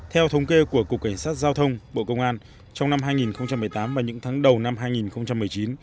theo thống kê của cục cảnh sát giao thông bộ công an trong năm hai nghìn một mươi tám và những tháng đầu năm hai nghìn một mươi chín